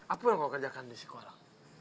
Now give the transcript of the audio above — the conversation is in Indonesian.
apa yang mau kerjakan di sekolah